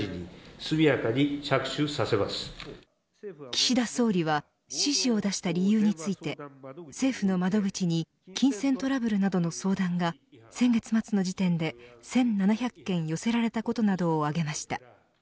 岸田総理は指示を出した理由について政府の窓口に金銭トラブルなどの相談が先月末の時点で１７００件寄せられたことなどを挙げました。